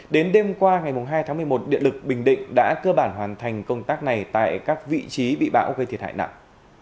đến đêm qua ngày hai tháng một mươi một điện lực bình định đã cơ bản hoàn thành công tác này tại các vị trí bị bão gây thiệt hại nặng